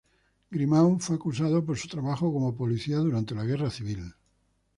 Grimau fue acusado por su trabajo como policía durante la guerra civil.